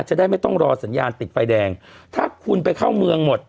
จะได้ไม่ต้องรอสัญญาณติดไฟแดงถ้าคุณไปเข้าเมืองหมด